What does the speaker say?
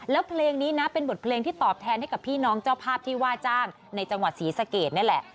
แล้วเพลงนี้นะเป็นบทเพลงที่ตอบแทนให้กับพี่น้องเจ้าภาพที่ว่าจ้างในจังหวัดศรีสะเกดนี่แหละ